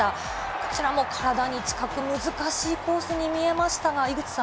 こちらも体に近く難しいコースに見えましたが、井口さん。